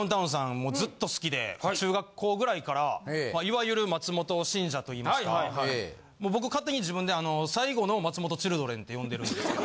もうずっと好きで中学校ぐらいからいわゆる。といいますか僕勝手に自分で。って呼んでるんですけど。